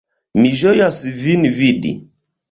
Mi ĝojas vin vidi!